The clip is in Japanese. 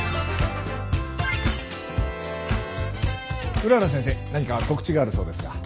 うらら先生何か告知があるそうですが。